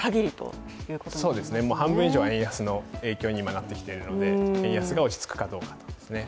半分以上は円安の影響になってきているので、円安が落ち着くかどうかですね。